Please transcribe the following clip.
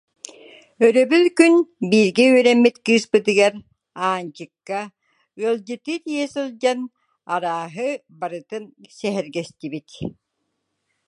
Өрөбүл күн бииргэ үөрэммит кыыспытыгар, Аанчыкка, ыалдьыттыы тиийэ сылдьан арааһы барытын сэһэргэстибит